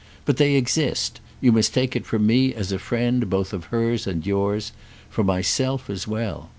But they exist—you must take it from me as a friend both of hers and yours—for myself as well.